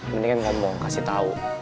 mendingan ngomong kasih tau